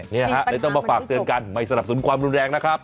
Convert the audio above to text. นี่ฮะเลยต้องมาฝากเตือนกันไม่สนับสนความรุนแรงนะครับ